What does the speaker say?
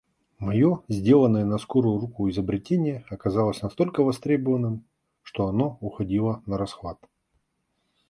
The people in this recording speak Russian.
Моё сделанное на скорую руку изобретение оказалось настолько востребованным, что оно уходило нарасхват.